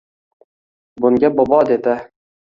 Bunga bobo dedi: